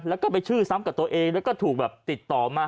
แล้วก็ไปชื่อซ้ำกับตัวเองแล้วก็ถูกแบบติดต่อมา